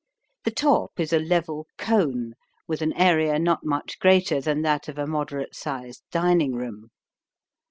The top is a level cone with an area not much greater than that of a moderate sized dining room.